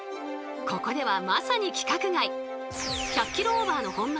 ここではまさに規格外！